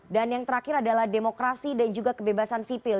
dan yang terakhir adalah demokrasi dan juga kebebasan sipil